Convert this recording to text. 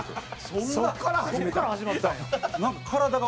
そこから始まったんや。